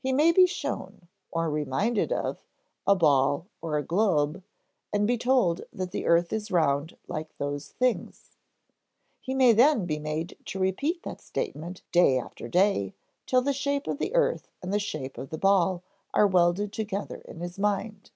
He may be shown (or reminded of) a ball or a globe, and be told that the earth is round like those things; he may then be made to repeat that statement day after day till the shape of the earth and the shape of the ball are welded together in his mind.